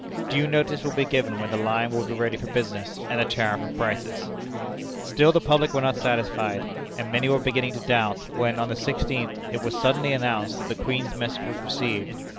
"Due notice will be given when the line will be ready for business, and the tariff of prices." Still the public were not satisfied, and many were beginning to doubt, when, on the sixteenth, it was suddenly announced that the Queen's message was received.